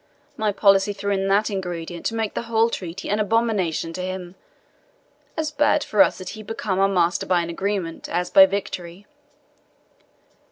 My policy threw in that ingredient to make the whole treaty an abomination to him. As bad for us that he become our master by an agreement, as by victory."